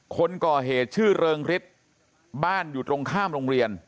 คนก่อเหตุชื่อเริงฤทธิ์บ้านอยู่ตรงข้ามโรงเรียน